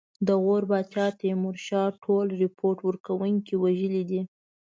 د غور پاچا د تیمور ټول رپوټ ورکوونکي وژلي دي.